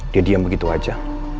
dia diam begitu aja